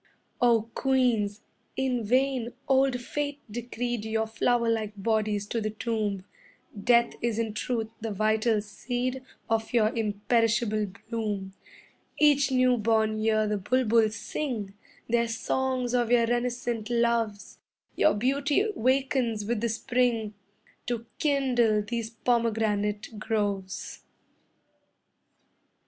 O Queens, in vain old Fate decreed Your flower like bodies to the tomb; Death is in truth the vital seed Of your imperishable bloom Each new born year the bulbuls sing Their songs of your renascent loves; Your beauty wakens with the spring To kindle these pomegranate groves.